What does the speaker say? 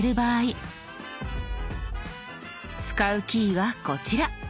使うキーはこちら。